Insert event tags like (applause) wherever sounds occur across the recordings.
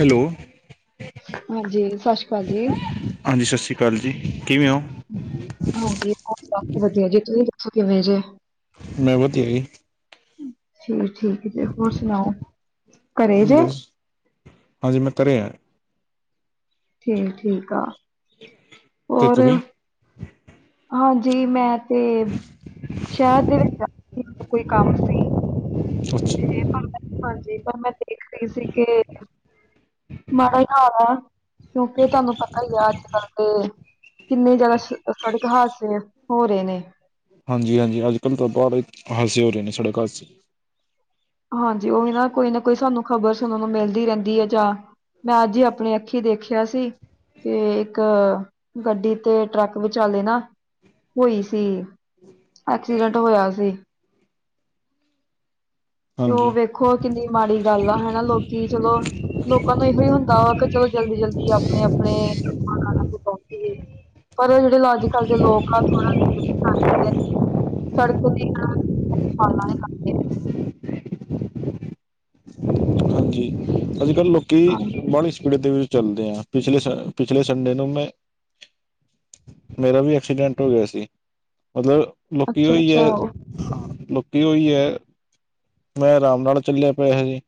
Hello ਹਾਂਜੀ ਸਾਸ਼ੀ ਕਾਲ ਜੀ। ਹਾਂਜੀ ਸ਼ਸੀ ਕਾਲ ਜੀ, ਕਿਵੇਂ ਓਂ? ਹਾਂਜੀ। ਬਸ ਵਧੀਆ ਜੀ, ਤੁਹੀ ਦੱਸੋ ਕਿਵੇਂ ਜੇ? ਮੈਂ ਵਧੀਆ ਈ। ਠੀਕ ਠੀਕ ਜੇ, ਹੋਰ ਸੁਨਾਓ ਘਰੇ ਜੇ? ਬਸ ਹਾਂਜੀ ਮੈਂ ਘਰੇ ਆਂ। ਠੀਕ ਠੀਕ ਆ। (unintelligible) ਹੋਰ ਤੁਸੀਂ? ਹਾਂਜੀ ਮੈਂ। ਤੇ, ਸ਼ਹਿਰ ਦੇ ਵਿੱਚ (unintelligible) ਕੋਈ ਕੰਮ ਸੀ। ਅੱਛਾ ਤੇ ਪਰ ਹਾਂਜੀ ਪਰ ਮੈਂ ਦੇਖ ਰਹੀ ਸੀ ਕੇ ਮਾੜਾ ਈ ਹਾਲ ਆ, ਕਿਓਕੇ ਤਾਨੂੰ ਪਤਾ ਈ ਆ ਅੱਜ-ਕੱਲ ਤੇ ਕਿੰਨੇ ਜਾਦਾ ਸ ਸੜਕ ਹਾਦਸੇ ਹੋ ਰਹੇ ਨੇ। ਹਾਂਜੀ-ਹਾਂਜੀ ਅੱਜ-ਕੱਲ ਤਾ ਬੜੇ ਹਾਦਸੇ ਹੋ ਰਹੇ ਨੇ ਸੜਕ ਹਾਦਸੇ। ਹਾਂਜੀ ਓਹੀ ਨਾ ਕੋਈ ਨਾ ਕੋਈ ਸਾਨੂੰ ਖ਼ਬਰ ਸੁਨਨ ਨੂੰ ਮਿਲਦੀ ਰਹਿੰਦੀ ਏ ਜਾਂ ਮੈਂ ਅੱਜ ਈ ਆਪਨੇ ਅੱਖੀ ਦੇਖਿਆ ਸੀ। ਕੇ ਇੱਕ, ਗੱਡੀ ਤੇ ਟਰੱਕ ਵਿਚਾਲੇ ਨਾ ਹੋਈ ਸੀ, ਐਕਸੀਡੈਟ ਹੋਇਆ ਸੀ। ਤੇ ਉਹ ਹਾਂਜੀ ਵੇਖੋ ਕਿੰਨੀ ਮਾੜੀ ਗੱਲ ਆ ਹੈਨਾ ਲੋਕੀ ਚਲੋ, ਲੋਕਾਂ ਨੂੰ ਏਹੋ ਈ ਹੁੰਦਾ ਵਾ ਕਿ ਚਲੋ ਜਲਦੀ-ਜਲਦੀ ਆਪਣੇ-ਆਪਣੇ ਕੰਮਾਂ-ਕਾਰਾਂ ਤੇ ਪਹੁੰਚੀਏ। ਪਰ ਐ ਜਿਹੜੇ ਅੱਜ-ਕੱਲ ਦੇ ਲੋਕ ਆ ਥੋੜਾ (unintelligible) ਸੜਕ ਦੀਆਂ (unintelligible) ਜੀ ਅੱਜ-ਕੱਲ ਲੋਕੀ ਹਾਂਜੀ ਬਾਲੀ ਸਪੀਡ ਦੇ ਵਿੱਚ ਚੱਲਦੇ ਐ। ਪਿਛਲੇ ਪਿਛਲੇ ਸੰਡੇ ਨੂੰ ਮੈਂ ਮੇਰਾ ਵੀ, ਐਕਸੀਡੈਂਟ ਹੋ ਗਿਆ ਸੀ। ਮਤਲਬ, ਲੋਕੀ ਅੱਛਾ ਓਈ ਐ, ਅੱਛਾ ਲੋਕੀ ਓਈ ਐ ਮੈਂ, ਆਰਾਮ ਨਾਲ ਚੱਲੇ ਪਿਆ ਜੀ।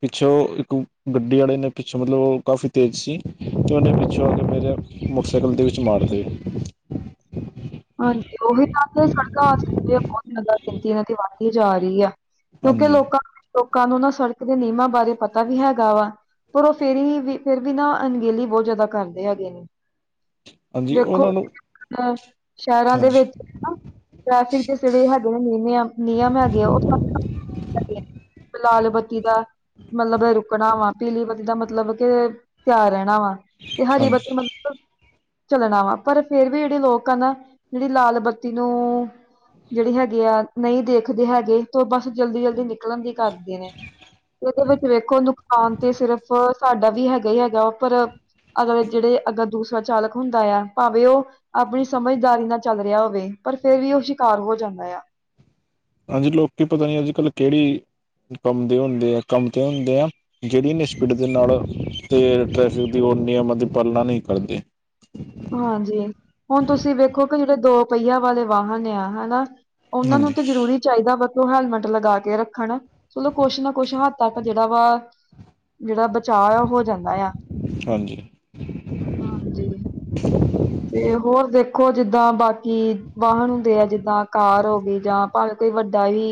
ਪਿੱਛੋ, ਇੱਕ ਗੱਡੀ ਆਲੇ ਨੇ, ਪਿੱਛੋ ਮਤਲਬ, ਉਹ ਕਾਫੀ ਤੇਜ਼ ਸੀ, ਤੇ ਉਹਨੇ ਪਿੱਛੋ ਆ ਕੇ, ਫੇਰ ਮੋਟਰਸਾਈਕਲ ਦੇ ਵਿੱਚ ਮਾਰਤੇ ਹਾਂਜੀ, ਉਹੀ ਤਾਂ ਸੜਕ ਹਾਦਸੇ ਦੀਆਂ ਬਹੁਤ ਜਿਆਦਾ ਗਿਣਤੀ, ਇਨਾਂ ਦੀ ਵੱਧਦੀ ਜਾ ਰਹੀ ਐ। ਕਿਉਕਿ ਹਾਂਜੀ ਲੋਕਾਂ, ਲੋਕਾਂ ਨੂੰ ਨਾ ਸੜਕ ਦੇ ਨਿਯਮਾਂ ਬਾਰੇ ਪਤਾ ਵੀ ਹੈਗਾ ਵਾ। ਪਰ ਉਹ ਫੇਰ ਵੀ, ਫੇਰ ਵੀ ਨਾ, ਅਣਗਹਿਲੀ ਬਹੁਤ ਜਿਆਦਾ ਕਰਦੇ ਹੈਗੇ ਨੇ। ਹਾਂਜੀ, ਵੇਖੋ ਓਨਾਂ ਨੂੰ ਅ ਸ਼ਹਿਰਾਂ ਦੇ ਹਾਂਜੀ ਵਿੱਚ ਹਨਾ, ਟ੍ਰੈਫਿਕ ਦੇ ਜਿਹੜੇ ਹੈਗੇ ਨੇ ਨਿਯ ਨਿਯਮ ਹੈਗੇ ਆ ਉਹ ਸਾਰੇ ਹੈਗੇ (inaudible) ਲਾਲ ਬੱਤੀ ਦਾ ਮਤਲਬ ਰੁਕਣਾ ਵਾ, ਪੀਲੀ ਬੱਤੀ ਦਾ ਮਤਲਬ ਕੇ ਤਿਆਰ ਰਹਿਣਾ ਵਾ। ਤੇ ਹਰੀ ਹਾਂਜੀ ਬੱਤੀ ਮੰਤਲਬ ਚੱਲਣਾ ਵਾ, ਪਰ ਫੇਰ ਵੀ ਜਿਹੜੇ ਲੋਕ ਆ ਨਾ ਜਿਹੜੀ, ਲਾਲ ਬੱਤੀ ਨੂੰ ਜਿਹੜੀ ਹੈਗੀ ਆ, ਨਹੀਂ ਦੇਖਦੇ ਹੈਗੇ ਤੇ ਬਸ ਜਲਦੀ, ਜਲਦੀ ਨਿ ਨਿਕਲਣ ਦੀ ਕਰਦੇ ਨੇ, ਉਹਦੇ ਵਿੱਚ ਵੇਖੋ ਨੁਕਸਾਨ ਤੇ ਸਿਰਫ ਤੁਹਾਡਾ ਵੀ, ਹੈਗਾ ਹੀ ਹੈਗਾ ਉਪਰ ਅਗਲੇ ਜਿਹੜੇ, ਅੱਗੇ ਦੂਸਰਾ ਚਾਲਕ ਹੁੰਦਾ ਆ, ਭਾਵੇਂ ਉਹ ਆਪਣੀ ਸਮਝ ਦਾਰੀ ਨਾਲ ਚਲ ਰਿਹਾ ਹੋਵੇ, ਪਰ ਫੇਰ ਵੀ ਉਹ ਸ਼ਿਕਾਰ ਹੋ ਜਾਂਦਾ ਆ। ਹਾਂਜੀ, ਲੋਕ ਪਤਾ ਨੀ ਅੱਜ- ਕੱਲ ਕਿਹੜੀ ਕੰਮ ਦੇ ਹੁੰਦੇ ਆ ਕੰਮ ਤੇ ਹੁੰਦੇ ਆ। ਜਿਹੜੀ ਏਨੀ ਸਪੀਡ ਦੇ ਨਾਲ ਤੇ, ਟ੍ਰੈਫਿਕ ਦੀ ਉਹ ਨਿਯਮਾਂ ਦੀ ਪਾਲਣਾ ਨਹੀਂ ਕਰਦੇ। (inaudible) ਹਾਂਜੀ, ਹੁਣ ਤੁਸੀਂ ਵੇਖੋ ਕਿ, ਜਿਹੜੇ ਦੋ ਪਹੀਆਂ ਵਾਲੇ ਵਾਹਨ ਆ ਹਨਾ। ਉਹਨਾਂ ਨੂੰ ਹਾਂਜੀ ਤੇ ਜ਼ਰੂਰੀ ਚਾਹੀਦਾ ਵਾ, ਕਿ ਉਹ ਹੈਲਮਟ ਲਗਾ ਕੇ ਰੱਖਣ ਚਲੋ ਕੁਛ ਨਾ ਕੁਛ ਹੱਦ ਤੱਕ, ਜਿਹੜਾ ਵਾ ਜਿਹੜਾ ਬਚਾਅ ਆ, ਉਹ ਹੋ ਜਾਂਦਾ ਆ, ਹਾਂਜੀ ਹਾਂਜੀ। ਤੇ, ਹੋਰ ਦੇਖੋ ਜਿੱਦਾਂ ਬਾਕੀ ਕਿ ਵਾਹਨ ਹੁੰਦੇ ਆ, ਜਿੱਦਾਂ ਕਾਰ ਹੋ ਗਈ ਜਾਂ ਭਾਵੇਂ ਕੋਈ ਵੱਡਾ ਹੀ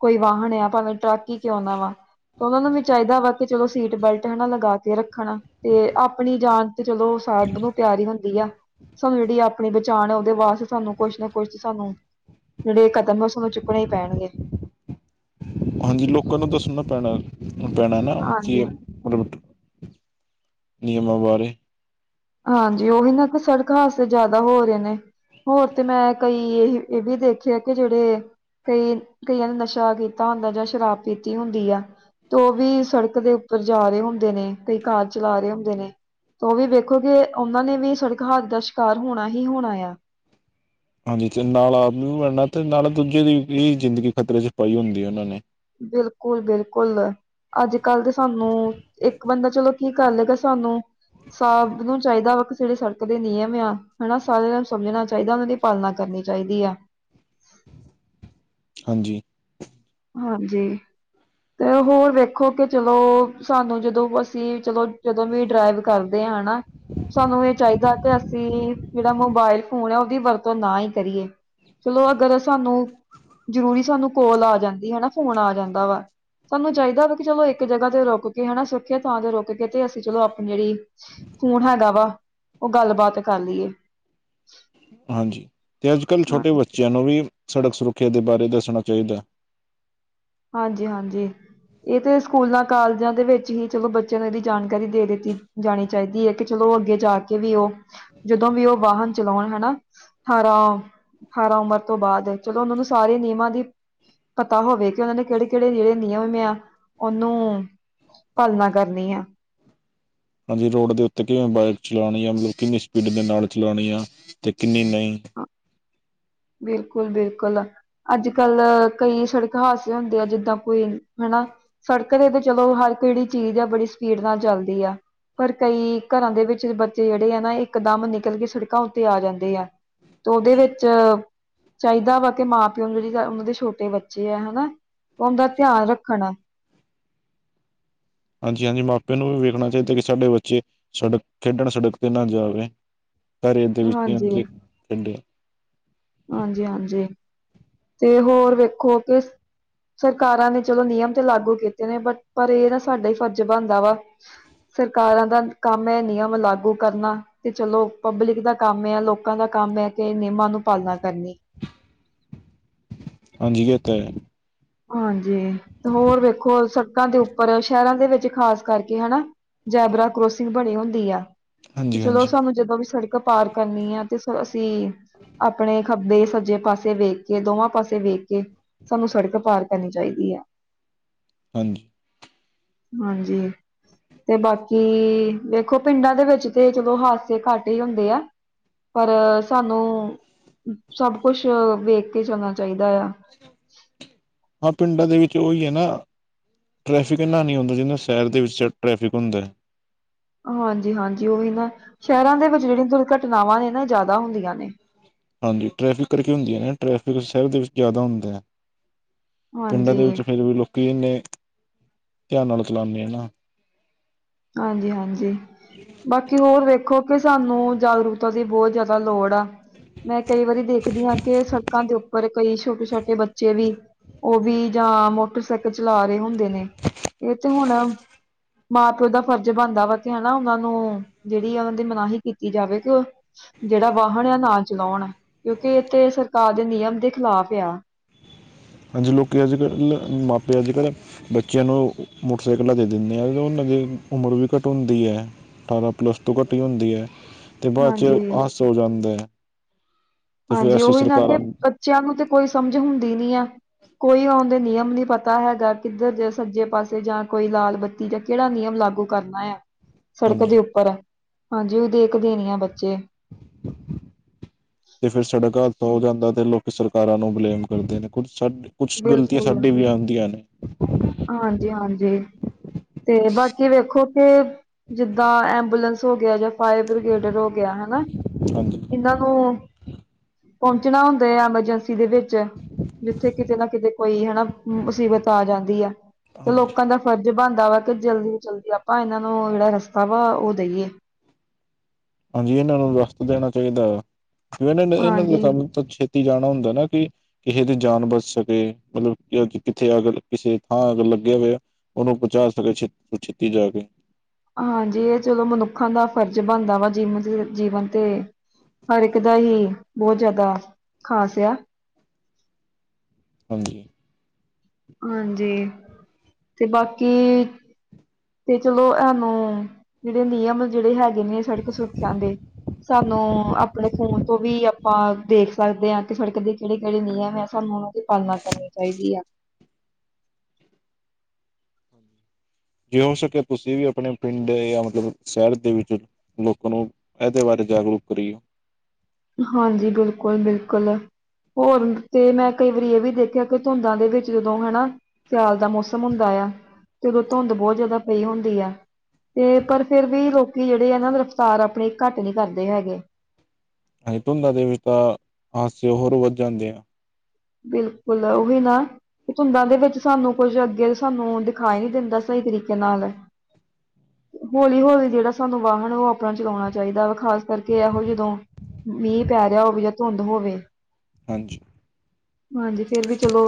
ਕੋਈ ਵਾਹਨ ਆ, ਭਾਵੇਂ ਟਰੱਕ ਹੀ ਕਿਉਂ ਨਾ ਵਾ ਤੇ ਉਹਨਾਂ ਨੂੰ ਵੀ, ਚਾਹੀਦਾ ਵਾ, ਕਿ ਚਲੋ ਸੀਟ ਬੈਲਟ ਹੈਨਾ ਲੱਗਾ ਕੇ ਰੱਖਣ ਤੇ ਆਪਣੀ ਜਾਨ ਤੇ, ਚਲੋ ਸਭ ਨੂੰ ਪਿਆਰੀ ਹੁੰਦੀ। ਦੀ, ਆ, ਸਾਨੂੰ ਜਿਹੜੀ ਆਪਣੀ ਪਹਿਚਾਣ ਆ, ਉਹਦੇ ਵਾਸਤੇ ਸਾਨੂੰ ਕੁਛ ਨਾ ਕੁਛ ਤੇ ਸਾਨੂੰ ਜਿਹੜੇ, ਕਦਮ ਉਸ ਨੂੰ ਚੁੱਕਣੇ ਹੀ ਪੈਣਗੇ। ਹਾਂਜੀ, ਲੋਕਾਂ ਨੂੰ ਦੱਸਣਾ ਪੈਣਾ, ਪੈਣਾ ਨਾ ਜੇ ਹਾਂਜੀ ਮਤਲਬ, ਨਿਯਮਾਂ ਬਾਰੇ ਹਾਂਜੀ, ਉਹ ਵੀ ਨਾ, ਕਿ ਸੜਕ ਹਾਦਸੇ ਜ਼ਿਆਦਾ ਹੋ ਰਹੇ ਨੇ। ਹੋਰ ਤੇ, ਮੈਂ ਕਈ ਇਹ, ਇਹ ਵੀ ਦੇਖਿਆ ਕਿ ਜਿਹੜੇ ਕਈ, ਕਈਆਂ ਨੇ ਨਸ਼ਾ ਕੀਤਾ ਹੁੰਦਾ, ਜਾਂ ਸ਼ਰਾਬ ਪੀਤੀ ਹੁੰਦੀ ਆ। ਤੇ, ਉਹ ਵੀ ਸੜਕ ਦੇ ਉੱਪਰ ਜਾ ਰਹੇ ਹੁੰਦੇ ਨੇ, ਕਈ ਕਾਰ ਚਲਾ ਰਹੇ ਹੁੰਦੇ ਨੇ, ਤੇ ਉਹ ਵੀ ਵੇਖ ਖੋ, ਕਿ ਉਹਨਾਂ ਨੇ ਵੀ ਸੜਕ ਹਾਦਸੇ ਦਾ ਸ਼ਿਕਾਰ, ਹੋਣਾ ਹੀ ਹੋਣਾ ਆ। ਹਾਂਜੀ, ਤੇ ਨਾਲ ਆਪ ਵੀ ਮਰਨਾ, ਤੇ ਨਾਲੇ ਦੂਜੇ ਦੀ ਵੀ ਜ਼ਿੰਦਗੀ ਖ਼ਤਰੇ ਚ, ਪਾਈ ਹੁੰਦੀ ਉਹਨਾਂ ਨੇ। ਬਿਲਕੁਲ, ਬਿਲਕੁਲ। ਅੱਜ -ਕੱਲ੍ਹ ਤੇ ਸਾਨੂੰ, ਇੱਕ ਬੰਦਾ ਚੱਲੋ ਕੀ ਕਰ ਲਏਗਾ ਸਾਨੂੰ ਸਭ ਨੂੰ ਚਾਹੀਦਾ ਵਾ, ਕਿ ਜਿਹੜੇ ਸੜਕ ਦੇ ਨਿਯਮ ਆ ਹਨਾ, ਸਾਰਿਆਂ ਨੂੰ ਸਮਝਣਾ ਚਾਹੀਦਾ ਉਹਨਾਂ ਦੀ ਪਾਲਣਾ, ਕਰਨੀ ਚਾਹੀਦੀ ਆ। ਹਾਂਜੀ। ਹਾਂਜੀ। ਤੇ ਹੋਰ ਵੇਖੋ, ਕਿ ਚਲੋ ਸਾਨੂੰ ਜਦੋਂ ਅਸੀਂ ਚਲੋ, ਜਦੋਂ ਵੀ ਡਰਾਈਵ ਕਰਦੇ ਆ, ਹਨਾ ਸਾਨੂੰ ਇਹ ਚਾਹੀਦਾ ਕਿ ਅਸੀਂ, ਜਿਹੜਾ ਮੋਬਾਇਲ ਫੋਨ ਹੈ ਉਹਦੀ ਵਰਤੋਂ ਨਾ ਹੀ ਕਰੀਏ। ਚਲੋ ਅਗਰ ਸਾਨੂੰ, ਜ਼ਰੂਰੀ ਸਾਨੂੰ ਕੋਲ ਆ ਜਾਂਦੀ ਹਨਾ ਫੋਨ ਆ ਜਾਂਦਾ ਵਾ ਸਾਨੂੰ ਚਾਹੀਦਾ ਵਾ ਕਿ ਚਲੋ ਇੱਕ ਜਗ੍ਹਾ ਤੇ ਰੁਕ ਕੇ ਹਨਾ ਸੁਰੱਖਿਆਤ ਥਾਂ ਤੇ ਰੁਕ ਕੇ ਤੇ ਅਸੀਂ ਚਲੋ ਆਪਣੀ ਜਿਹੜੀ ਫੋਨ ਹੈਗਾ ਵਾ, ਉਹ ਗੱਲਬਾਤ ਕਰ ਲਈਏ। ਹਾਂਜੀ, ਤੇ ਅੱਜ ਕੱਲ੍ਹ ਛੋਟੇ ਬੱਚਿਆਂ ਨੂੰ ਵੀ ਸੜਕ ਸੁਰੱਖਿਆ ਦੇ ਬਾਰੇ ਦੱਸਣਾ ਚਾਹੀਦਾ। ਹਾਂਜੀ-ਹਾਂਜੀ। ਇਹ ਤੇ ਸਕੂਲਾਂ ਕਾਲਜਾਂ ਦੇ ਵਿੱਚ ਹੀ ਚਲੋ ਬੱਚਿਆਂ ਨੂੰ ਇਹਦੀ ਜਾਣਕਾਰੀ ਦੇ ਦਿੱਤੀ ਜਾਣੀ ਚਾਹੀਦੀ ਹੈ ਕਿ ਚਲੋ ਅੱਗੇ ਜਾ ਕੇ ਵੀ ਉਹ ਜਦੋਂ ਵੀ ਉਹ ਵਾਹਨ ਚਲਾਉਣ ਹਨਾ ਅਠਾਰਾਂ ਅਠਾਰਾਂ ਉਮਰ ਤੋਂ ਬਾਅਦ ਚਲੋ ਉਹਨਾਂ ਨੂੰ ਸਾਰੇ ਨਿਯਮਾਂ ਦੀ ਪਤਾ ਹੋਵੇ ਕਿ ਉਹਨਾਂ ਦੇ ਕਿਹੜੇ ਕਿਹੜੇ ਜਿਹੜੇ ਨਿਯਮ ਆ ਉਹਨੂੰ ਪਾਲਣਾ ਕਰਨੀ ਆ ਹਾਂ ਜੀ ਰੋਡ ਦੇ ਉੱਤੇ ਕਿਵੇਂ ਬਾਈਕ ਚਲਾਉਣੀ ਆ। ਕਿੰਨੀ ਸਪੀਡ ਦੇ ਨਾਲ ਚਲਾਉਣੀ ਆ ਤੇ ਕਿੰਨੀ ਨਹੀਂ। ਬਿਲਕੁਲ ਬਿਲਕੁਲ। ਅੱਜ ਕੱਲ ਕਈ ਸੜਕ ਹਾਦਸੇ ਹੁੰਦੇ ਆ। ਜਿੱਦਾਂ ਕੋਈ ਹੈਨਾ। ਸੜਕ ਤੇ ਤੇ ਚਲੋ ਹਰ ਇੱਕ ਜਿਹੜੀ ਚੀਜ਼ ਆ ਬੜੀ ਸਪੀਡ ਨਾਲ ਚੱਲਦੀ ਆ। ਪਰ ਕਈ ਘਰਾਂ ਦੇ ਵਿੱਚ ਬੱਚੇ ਜਿਹੜੇ ਆ ਨਾ। ਇਕ ਦਮ ਨਿਕਲ ਕੇ ਸੜਕਾਂ ਉੱਤੇ ਆ ਜਾਂਦੇ ਆ। ਉਹਦੇ ਵਿੱਚ। ਚਾਹੀਦਾ ਵਾ ਕਿ ਮਾਂ ਪਿਓ ਨੂੰ ਜਿਹੜੇ ਉਹਨਾਂ ਦੇ ਛੋਟੇ ਬੱਚੇ ਆ ਹੈ ਨਾ ਉਹਦਾ ਧਿਆਨ ਰੱਖਣ। ਹਾਂਜੀ ਹਾਂਜੀ ਮਾਪੇ ਨੂੰ ਵੀ ਵੇਖਣਾ ਚਾਹੀਦਾ ਕਿ ਸਾਡੇ ਬੱਚੇ ਸੜਕ ਖੇਡਣ ਸੜਕ ਤੇ ਨਾ ਜਾਵੇ ਘਰੇ ਦੇ ਵਿੱਚ ਹੀ ਹਾਂਜੀ ਹੁੰਦੇ ਪਿੰਡੇ। ਹਾਂ ਜੀ ਹਾਂ ਜੀ ਤੇ ਹੋਰ ਵੇਖੋ ਕਿਸ। ਸਰਕਾਰਾਂ ਨੇ ਚਲੋ ਨਿਯਮ ਤੇ ਲਾਗੂ ਕੀਤੇ ਨੇ ਬਟ ਪਰ ਇਹ ਨਾ ਸਾਡਾ ਹੀ ਫਰਜ਼ ਬਣਦਾ ਵਾ। ਸਰਕਾਰਾਂ ਦਾ ਕੰਮ ਹੈ- ਨਿਯਮ ਲਾਗੂ ਕਰਨਾ। ਤੇ ਚਲੋ ਪਬਲਿਕ ਦਾ ਕੰਮ ਹੈ। ਲੋਕਾਂ ਦਾ ਕੰਮ ਹੈ ਕਿ ਨਿਯਮਾਂ ਨੂੰ ਪਾਲਣਾ ਕਰਨੀ। ਹਾਂਜੀ ਇਹ ਤਾਂ ਹੈ। ਹਾਂਜੀ ਤੇ ਹੋਰ ਵੇਖੋ ਸੜਕਾਂ ਦੇ ਉੱਪ। ਪਰ ਸ਼ਹਿਰਾਂ ਦੇ ਵਿੱਚ ਖ਼ਾਸ ਕਰਕੇ ਹੈ ਨਾ ਜੈਬਰਾ ਕਰੋਸਿੰਗ ਬਣੀ ਹੁੰਦੀ ਆ। ਹਾਂਜੀ ਚਲੋ ਹਾਂਜੀ ਸਾਨੂੰ ਜਦੋਂ ਵੀ ਸੜਕ ਪਾਰ ਕਰਨੀ ਹੈ ਤੇ ਅਸੀਂ। ਆਪਣੇ ਖੱਬੇ ਸੱਜੇ ਪਾਸੇ ਵੇਖ ਕੇ ਦੋਵਾਂ ਪਾਸੇ ਵੇਖ ਕੇ ਸਾਨੂੰ ਸੜਕ। ਪਾਰ ਕਰਨੀ ਚਾਹੀਦੀ ਹੈ। ਹਾਂਜੀ। ਹਾਂਜੀ। ਤੇ ਬਾਕੀ ਦੇੇਖੋ। ਪਿੰਡਾਂ ਦੇ ਵਿੱਚ ਤੇ ਚਲੋ ਹਾਦਸੇ ਘੱਟ ਹੀ ਹੁੰਦੇ ਆ। ਪਰ ਸਾਨੂੰ ਸਭ ਕੁਝ ਵੇਖ ਕੇ ਚੱਲਣਾ ਚਾਹੀਦਾ ਆ। ਹਾਂ, ਪਿੰਡਾਂ ਦੇ ਵਿੱਚ ਉਹੀ ਹੈ ਨਾ। ਟਰੈਫਿਕ ਇੰਨਾ ਨਹੀਂ ਹੁੰਦਾ। ਜਿੰਨਾ ਸ਼ਹਿਰ ਦੇ ਵਿੱਚ ਟਰੈਫਿਕ ਹੁੰਦਾ। ਹਾਂ ਜੀ ਹਾਂ ਜੀ ਉਹੀ ਨਾ ਸ਼ਹਿਰਾਂ ਦੇ ਵਿੱਚ ਜਿਹੜੀਆਂ ਦੁਰਘਟਨਾਵਾਂ ਨੇ ਨਾ ਜ਼ਿਆਦਾ ਹੁੰਦੀਆਂ ਨੇ। ਹਾਂ ਜੀ ਟਰੈਫਿਕ ਕਰਕੇ ਹੁੰਦੀ ਹੈ ਨਾ ਟਰੈਫਿਕ ਸ਼ਹਿਰ ਦੇ ਵਿੱਚ ਜ਼ਿਆਦਾ ਹੁੰਦਾ ਹੈ। ਪਿੰਡਾਂ ਹਾਂਜੀ ਦੇ ਵਿੱਚ ਫੇਰ ਵੀ ਲੋਕੀ ਇੰਨੇ ਧਿਆਨ ਨਾਲ ਚਲਾਉਂਦੇ ਆ ਨਾ। ਹਾਂਜੀ ਹਾਂਜੀ। ਬਾਕੀ ਹੋਰ ਵੇਖੋ ਕਿ ਸਾਨੂੰ ਜਾਗਰੂਕਤਾ ਦੀ ਬਹੁਤ ਜ਼ਿਆਦਾ ਲੋੜ ਆ। ਮੈਂ ਕਈ ਵਾਰੀ ਦੇਖਦੀ ਹਾਂ ਕਿ ਸੜਕਾਂ ਦੇ ਉੱਪਰ ਕਈ ਛੋਟੇ- ਛੋਟੇ ਬੱਚੇ ਵੀ। ਉਹ ਵੀ ਜਾਂ ਮੋਟਰਸਾਈਕਲ ਚਲਾ ਰਹੇ ਹੁੰਦੇ ਨੇ ਇਹ ਤੇ ਹੁਣ ਮਾਂ। ਉਹਦਾ ਫਰਜ਼ ਬਣਦਾ ਵਾ ਕਿ ਹੈਨਾ ਉਹਨਾਂ ਨੂੰ ਜਿਹੜੀ ਆ ਉਹਨਾਂ ਦੀ ਮਨਾਹੀ ਕੀਤੀ ਜਾਵੇ ਕਿ। ਜਿਹੜਾ ਵਾਹਨ ਆ ਨਾ ਚਲਾਉਣ ਕਿਉਂਕਿ ਇੱਥੇ ਸਰਕਾਰ ਦੇ ਨਿਯਮ ਦੇ ਖਿਲਾਫ ਆ। ਹਾਂ ਜੀ ਲੋਕੀ ਅੱਜ ਕੱਲ੍ਹ ਮਾਪੇ। ਅੱਜ ਕੱਲ੍ਹ। ਬੱਚਿਆਂ ਨੂੰ ਮੋਟਰਸਾਈਕਲਾਂ ਦੇ ਦਿੰਦੇ ਆ। ਉਹਨਾਂ ਦੀ ਉਮਰ ਵੀ ਘੱਟ ਹੁੰਦੀ ਹੈ। ਅਠਾਰਾਂ ਪਲੱਸ ਤੋਂ ਘੱਟ ਹੁੰਦੀ ਹੈ ਤੇ ਬਾਅਦ ਚ ਹਾਂਜੀ ਆਸ ਹੋ ਜਾਂਦਾ ਹੈ। ਅਤੇ ਫਿਰ ਹਾਂਜੀ ਅਸੀਂ ਉਹੀ ਨਾ ਕੇ ਸਰਕਾਰਾਂ ਬੱਚਿਆਂ ਨੂੰ ਤੇ ਕੋਈ ਸਮਝ ਹੁੰਦੀ ਨੀ ਆ। ਕੋਈ ਆਉਣ ਦੇ ਨਿਯਮ ਨਹੀਂ ਪਤਾ ਹੈਗਾ। ਕਿੱਧਰ ਜ ਸੱਜੇ ਪਾਸੇ ਜਾਂ ਕੋਈ ਲਾਲ ਬੱਤੀ। ਜਾਂ ਕਿਹੜਾ ਨਿਯਮ ਲਾਗੂ ਕਰਨਾ ਹੈ? ਸੜਕ ਹਾਂਜੀ ਦੇ ਉੱਪਰ ਹਾਂਜੀ ਉਹ ਦੇਖਦੇ ਨੀ ਆ ਬੱਚੇ। ਤੇ ਫੇਰ ਸਾਡਾ ਘਰ ਹੋ ਜਾਂਦਾ ਤੇ ਲੋਕ। ਸਰਕਾਰਾਂ ਨੂੰ ਬਲੇਮ ਕਰਦੇ ਨੇ ਕੁਝ ਸਾਡ ਕੁਝ ਗਲਤੀਆਂ ਬਿਲਕੁਲ ਸਾਡੀ ਵੀ ਆਉਂਦੀਆਂ ਨੇ। ਹਾਂਜੀ ਹਾਂਜੀ ਤੇ ਬਾਕੀ ਵੇਖੋ ਕੇ। ਜਿੱਦਾਂ ਐਬੂਲੈਂਸ ਹੋ ਗਿਆ ਜਾਂ ਫਾਇਰ ਬ੍ਰਿਗੇਡ ਹੋ ਗਿਆ ਹੈ ਨਾ। ਹਾਂਜੀ। ਇਹਨਾਂ ਨੂੰ ਪਹੁੰਚਣਾ ਹੁੰਦਾ ਆ ਐਮਰਜੈਂਸੀ ਦੇ ਵਿੱਚ। ਜਿੱਥੇ ਕਿਤੇ ਨਾ ਕਿਤੇ ਕੋਈ ਹੈ ਨਾ ਮੁਸੀਬਤ ਆ ਜਾਂਦੀ ਹੈ ਤੇ ਹਾਂਜੀ ਲੋਕਾਂ ਦਾ ਫਰਜ਼। ਜੇ ਬਣਦਾ ਵਾ ਕਿ ਜਲਦੀ ਜਲਦੀ ਆਪਾਂ ਇਹਨਾਂ ਨੂੰ ਜਿਹੜਾ ਰਸਤਾ ਵਾ ਉਹ ਦੇਈਏ। ਹਾਂਜੀ ਇਹਨਾਂ ਨੂੰ ਵਿਸ ਦੇਣਾ ਚਾਹੀਦਾ ਵ ਇਹਨਾਂ ਨੇ ਇਹਨਾਂ ਦਾ ਹਾਂਜੀ ਸਾਨੂੰ ਛ ਜਾਣਾ ਹੁੰਦਾ ਨਾ ਕਿ ਕਿਸੇ ਦੀ ਜਾਨ ਬਚ ਸਕੇ, ਮਤਲਬ ਕਿੱਥੇ ਅਗਰ ਕਿਸੇ ਥਾਂ ਅਗਰ ਲੱਗਿਆ ਹੋਇਆ ਉਹਨੂੰ ਪਹੁੰਚਾ ਸਕੇ ਛੇਤੀ ਤੋਂ ਛੇਤੀ ਜਾ ਕੇ। ਹਾਂਜੀ ਇਹ ਚਲੋ ਮਨੁੱਖਾਂ ਦਾ ਫ਼ਰਜ਼ ਬਣਦਾ ਵਾ ਜੀਵਨ ਜੀਵਨ ਤੇ ਹਰ ਇੱਕ ਦਾ ਹੀ ਬਹੁਤ ਜ਼ਿਆਦਾ, ਖ਼ਾਸ ਆ। ਹਾਂਜੀ ਹਾਂਜੀ, ਤੇ ਬਾਕੀ ਤੇ ਚਲੋ ਇਹਨੂੰ ਜਿਹੜੇ ਨਿਯਮ ਜਿਹੜੇ ਹੈਗੇ ਸੜਕ ਸੁਰੱਖੀਆਂ ਦੇ, ਸਾਨੂੰ ਆਪਣੇ ਫੋਨ ਤੋਂ ਵੀ ਅ ਦੇਖ ਸਕਦੇ ਹਾਂ ਕਿ ਸੜਕ ਦੇ ਕਿਹੜੇ-ਕਿਹੜੇ ਨਿਯਮ ਹੈ ਸਾਨੂੰ ਉਹਨਾਂ ਦੀ ਪਾਲਣਾ ਕਰਨੀ ਚਾਹੀਦੀ ਆ। ਜੇ ਹੋ ਸਕਿਆ ਤੁਸੀਂ ਵੀ ਆਪਣੇ ਪਿੰਡ ਜਾਂ ਮਤਲਬ ਸ਼ਹਿਰ ਦੇ ਵਿੱਚ ਲੋਕਾਂ ਨੂੰ ਇਹਦੇ ਬਾਰੇ ਜਾਗਰੂਕ ਕਰੀਏ। ਹਾਂਜੀ ਬਿਲਕੁਲ-ਬਿਲਕੁਲ। ਹੋਰ ਤੇ ਮੈਂ ਕਈ ਵਾਰੀ ਇਹ ਵੀ ਦੇਖਿਆ ਕਿ ਧੁੰਦਾਂ ਦੇ ਵਿੱਚ ਜਦੋਂ ਹਨਾ ਸਿਆਲ ਦਾ ਮੌਸਮ ਹੁੰਦਾ ਆ, ਤੇ ਉਦੋਂ ਧੁੰਦ ਬਹੁਤ ਜ਼ਿਆਦਾ ਪਈ ਹੁੰਦੀ ਆ। ਤੇ ਪਰ ਫੇਰ ਵੀ ਲੋਕੀ ਜਿਹੜੇ ਆ ਨਾ ਰਫਤਾਰ ਆਪਣੇ ਘੱਟ ਨੀ ਕਰਦੇ ਹੈਗੇ। ਧੁੰਦਾਂ ਦੇ ਵਿੱਚ ਤਾਂ, ਹਾਦਸੇ ਹੋਰ ਵੱਧ ਜਾਂਦੇ ਆ। ਬਿਲਕੁਲ ਉਹੀ ਨਾ, ਧੁੰਦਾਂ ਦੇ ਵਿੱਚ ਸਾਨੂੰ ਕੁੱਝ ਅੱਗੇ ਸਾਨੂੰ ਦਿਖਾਈ ਨੀ ਦਿੰਦਾ ਸਹੀ ਤਰੀਕੇ ਨਾਲ। ਹੂੰ ਹੌਲੀ-ਹੌਲੀ ਜਿਹੜਾ ਸਾਨੂੰ ਵਾਹਨ ਉਹ ਆਪਣਾ ਚਲਾਉਣਾ ਚਾਹੀਦਾ ਵਾ ਖ਼ਾਸ ਕਰਕੇ ਇਹੋ ਜਦੋਂ ਮੀਂਹ ਪੈ ਰਿਹਾ ਹੋਵੇ ਜਾਂ ਧੁੰਦ ਹੋਵੇ ਹਾਂਜੀ ਹਾਂਜੀ ਫੇਰ ਵੀ ਚਲੋ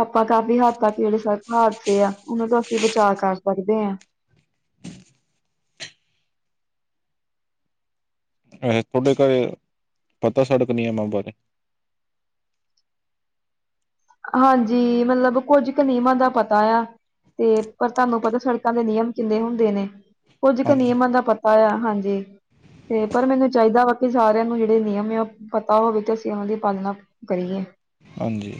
ਆਪਾਂ ਕਾਫ਼ੀ ਹੱਦ ਤੱਕ ਜਿਹੜੇ ਸੜਕ ਹਾਦਸੇ ਆ ਉਹਨਾਂ ਤੋਂ ਅਸੀਂ ਬਚਾਅ ਕਰ ਸਕਦੇ ਹਾਂ। ਵੈਸੇ ਤੁਹਾਡੇ ਘਰ, ਪਤਾ ਸੜਕ ਨਿਯਮਾਂ ਬਾਰੇ? ਹਾਂਜੀ ਮਤਲਬ ਕੁੱਝ ਕੁ ਨਿਯਮਾਂ ਦਾ ਪਤਾ ਆ। ਤੇ ਪਰ ਤੁਹਾਨੂੰ ਪਤਾ ਸੜਕਾਂ ਦੇ ਨਿਯਮ ਕਿੰਨੇ ਹੁੰਦੇ ਨੇ, ਕੁੱਝ ਕੁ ਹਾਂਜੀ ਨਿਯਮਾਂ ਦਾ ਪਤਾ। ਪਤਾ ਆ ਹਾਂਜੀ। ਤੇ ਪਰ ਮੈਨੂੰ ਚਾਹੀਦਾ ਵਾ ਕਿ ਸਾਰਿਆਂ ਨੂੰ ਜਿਹੜੇ ਨਿਯਮ ਆ ਉਹ ਪਤਾ ਹੋਵੇ ਤੇ ਅਸੀਂ ਉਹਨਾਂ ਦੀ ਪਾਲਣਾ ਕਰੀਏ। ਹਾਂਜੀ,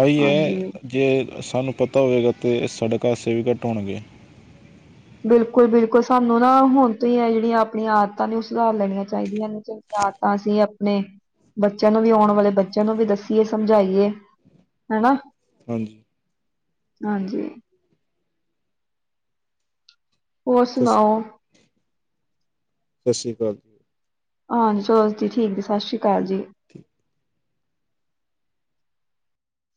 ਆਈ ਏ ਹਾਂਜੀ। ਜੇ ਸਾਨੂੰ ਪਤਾ ਹੋਵੇਗਾ ਤਾਂ ਸੜਕ ਹਾਦਸੇ ਵੀ ਘੱਟ ਹੋਣਗੇ। ਬਿਲਕੁਲ-ਬਿਲਕੁਲ ਸਾਨੂੰ ਨਾ ਹੁਣ ਤੋਂ ਹੀ ਹੈ ਜਿਹੜੀਆਂ ਆਪਣੀਆਂ ਆਦਤਾਂ ਨੇ ਉਹ ਸੁਧਾਰ ਲੈਣੀਆਂ ਚਾਹੀਦੀਆਂ ਨੇ ਚੰਗੀਆ ਆਦਤਾਂ ਤਾਂ ਅਸੀਂ ਆਪਣੇ, ਬੱਚਿਆਂ ਨੂੰ ਵੀ ਆਉਣ ਵਾਲੇ ਬੱਚਿਆਂ ਨੂੰ ਵੀ ਦੱਸੀਏ ਸਮਝਾਈਏ। ਹਨਾ ਹਾਂਜੀ ਹਾਂਜੀ ਹੋਰ ਸਤਿ ਸੁਣਾਓ? ਸਤ ਸ਼੍ਰੀ ਅਕਾਲ। ਹਾਂਜੀ, ਚਲੋ ਜੀ, ਠੀਕ ਜੀ, ਸਤਿ ਸ੍ਰੀ ਅਕਾਲ ਜੀ। ਠੀ